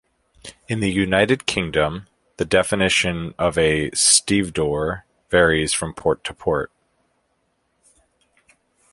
In the United Kingdom, the definition of a stevedore varies from port to port.